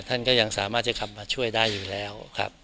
ท่านก็ยังสามารถจะขับมาช่วยได้อยู่แล้วครับ